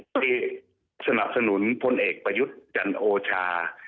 คนที่สนับสนุนเอกประยุกต์จันทร์โอชาล